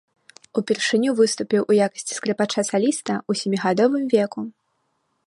Упершыню выступіў у якасці скрыпача-саліста ў сямігадовым веку.